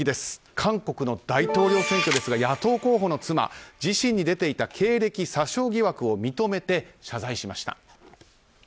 韓国の大統領選挙ですが野党候補の妻、自身に出ていた経歴詐称疑惑を認めて謝罪しました。